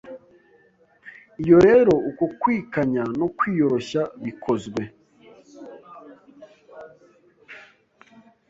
Iyo rero uko kwikanya no kwiyoroshya bikozwe